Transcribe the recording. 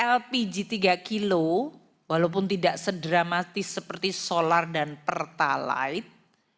lpg tiga kg walaupun tidak sedramatis seperti solar dan pertalite